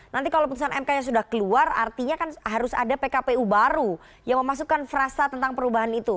nanti kalau putusan mk yang sudah keluar artinya kan harus ada pkpu baru yang memasukkan frasa tentang perubahan itu